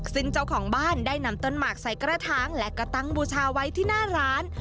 ซึ่งเจ้าของบ้านได้นำต้นหมากใส่กระถางและก็ตั้งบูชาไว้ที่หน้าร้าน